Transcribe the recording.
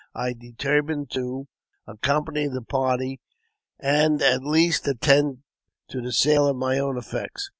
I determined to accompany the party, and at least attend to the sale of my own effects..